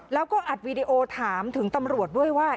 แล้วก็อัดวีดีโอถามถึงตำรวจด้วยว่า